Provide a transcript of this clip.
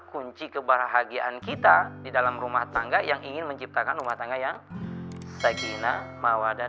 kunci kebahagiaan kita di dalam rumah tangga yang ingin menciptakan rumah tangga yang sajina mawa dan